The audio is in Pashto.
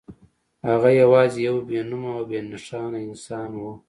هغه یوازې یو بې نومه او بې نښانه انسان و